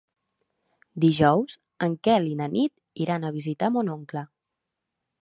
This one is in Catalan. Dijous en Quel i na Nit iran a visitar mon oncle.